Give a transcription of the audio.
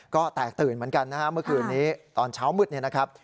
ก็แตกตื่นเหมือนกันนะฮะเมื่อคืนนี้ตอนเช้ามืดเนี่ยนะครับ